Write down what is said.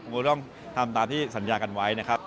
ก็ต้องทำตามที่สัญญากันไว้นะครับ